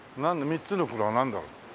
三つの黒はなんだろう？